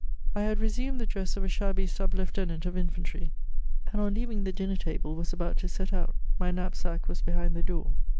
I had resumed the dress of a shabby sub lieutenant of infantry, and on leaving the dinner table was about to set out ; my knapsack was behind the door.